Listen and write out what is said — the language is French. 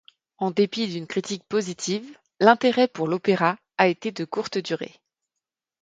En dépit d'une critique positive, l'intérêt pour l'opéra a été de courte durée.